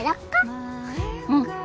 うん。